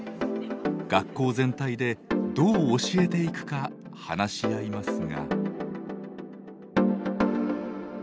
学校全体でどう教えていくか話し合いますが。